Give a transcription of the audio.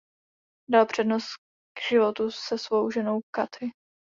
Dal přednost životu se svou ženou Kathy.